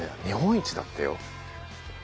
日本一だってよ。